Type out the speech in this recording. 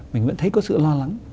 mình vẫn thấy có sự lo lắng